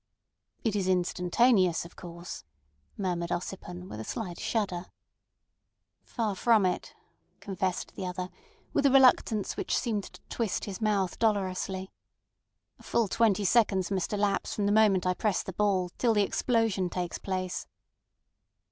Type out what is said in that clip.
"It is instantaneous, of course?" murmured Ossipon, with a slight shudder. "Far from it," confessed the other, with a reluctance which seemed to twist his mouth dolorously. "A full twenty seconds must elapse from the moment I press the ball till the explosion takes place."